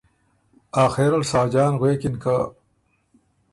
آخرل ساجان غوېکِن که